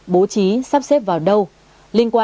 bố trí sắp xếp vào đâu